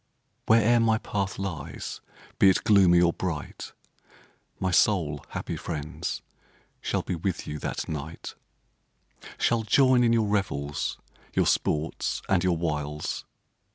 Where'er my path lies, be it gloomy or bright, My soul, happy friends, shall be with you that night ; Shall join in your revels, your sports and your wiles.